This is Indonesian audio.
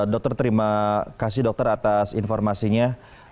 dokter terima kasih dokter atas informasinya